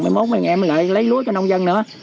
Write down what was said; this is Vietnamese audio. mấy mốt mấy em lại lấy lúa cho nông dân nữa